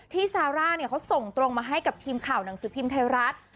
ซาร่าเนี่ยเขาส่งตรงมาให้กับทีมข่าวหนังสือพิมพ์ไทยรัฐ